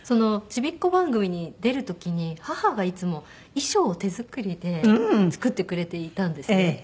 ちびっ子番組に出る時に母がいつも衣装を手作りで作ってくれていたんですね。